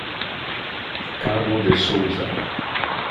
Carmo de Souza